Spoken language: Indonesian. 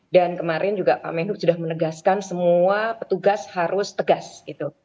dan kemarin juga pak menuk sudah menegaskan semua petugas harus tegas gitu